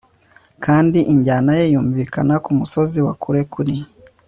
Kandi injyana ye yumvikana kumusozi wa kure kuri